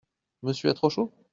Monsieur a trop chaud ?